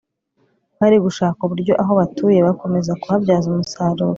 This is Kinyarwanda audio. bari gushaka uburyo aho batuye bakomeza kuhabyaza umusaruro